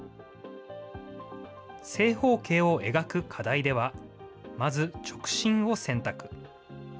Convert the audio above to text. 正方形を描く課題では、まず直進を選択。